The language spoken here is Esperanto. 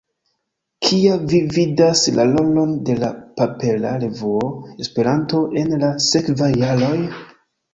Kia vi vidas la rolon de la papera revuo Esperanto en la sekvaj jaroj?